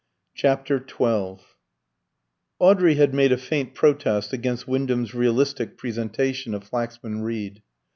CHAPTER XII Audrey had made a faint protest against Wyndham's realistic presentation of Flaxman Reed.